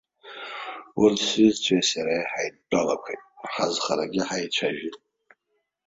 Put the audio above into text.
Урҭ сҩызцәеи сареи ҳаидтәалақәеит, ҳазхарагьы ҳаицәажәеит.